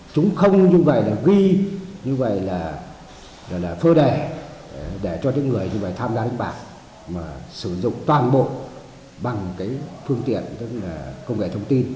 chúng không như vậy là ghi như vậy là phơ đẻ để cho những người như vậy tham gia đánh bạc mà sử dụng toàn bộ bằng cái phương tiện tức là công nghệ thông tin